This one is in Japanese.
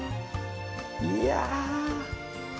いや！